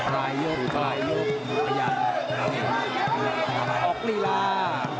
ปลายยกปลายยกออกลีลา